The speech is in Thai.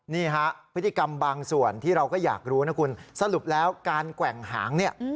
นี่ฮะพฤติกรรมบางส่วนที่เราก็อยากรู้นะคุณสรุปแล้วการแกว่งหางเนี่ย